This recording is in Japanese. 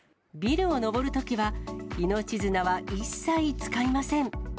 ビルを登るときは、命綱は一切使いません。